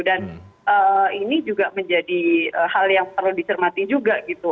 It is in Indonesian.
dan ini juga menjadi hal yang perlu dicermati juga gitu